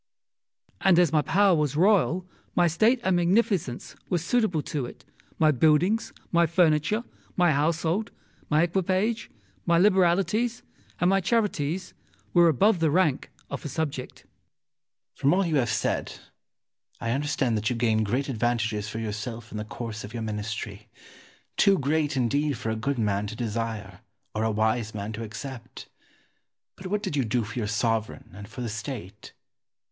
And, as my power was royal, my state and magnificence were suitable to it; my buildings, my furniture, my household, my equipage, my liberalities, and my charities were above the rank of a subject. Ximenes. From all you have said I understand that you gained great advantages for yourself in the course of your Ministry too great, indeed, for a good man to desire, or a wise man to accept. But what did you do for your sovereign and for the State?